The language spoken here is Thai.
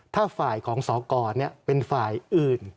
ถ้าฝ่ายของสกเป็นฝ่ายอื่น